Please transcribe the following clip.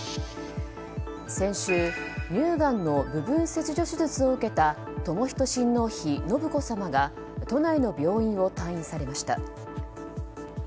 先週、乳がんの部分切除手術を受けた寛仁親王妃信子さまが都内の病院を退院されました。